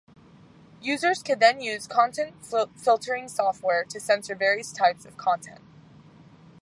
Users could then use content filtering software to censor various types of content.